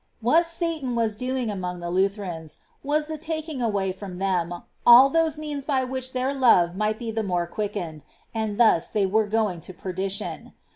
^ What Satan w^as doing among the Lutherans was the taking away from them all those means by which their love might be the more quickened ; and thus they were going to perdition.